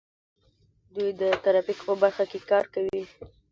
دوی د ترافیکو په برخه کې کار کوي.